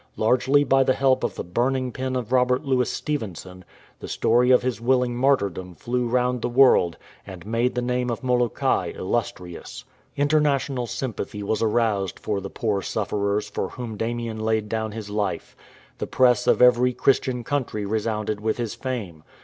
Largely by the help of the bui*ning pen of Robert Louis Stevenson, the story of his willing martyrdom flew round the world and made the name of Molokai illustrious. International 307 A STATUE AND A MONUMENT sympathy was aroused for the poor sufferers for whom Damien laid down his life. The Press of every Christian country resounded with his fame.